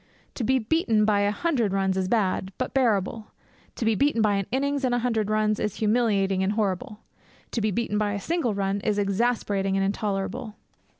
To be beaten by a hundred runs is bad, but bearable; to be beaten by an innings and a hundred runs is humiliating and horrible; to be beaten by a single run is exasperating and intolerable.